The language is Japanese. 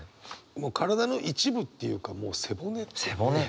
もう体の一部っていうかもう背骨ってね。